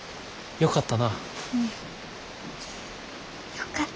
よかった。